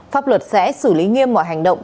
pháp luật sẽ xử lý nghiêm mọi hành động